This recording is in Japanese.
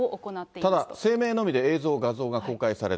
ただ声明のみで映像、画像が公開されず。